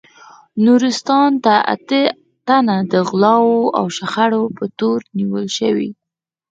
نورستان کې اته تنه د غلاوو او شخړو په تور نیول شوي